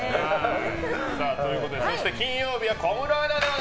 そして金曜日は小室アナです。